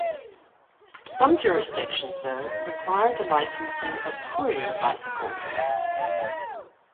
Some jurisdictions, though, require the licensing of courier bicycles.